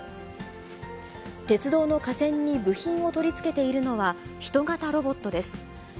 鉄道の架線に部品を取り付けているのは、人型ロボットです。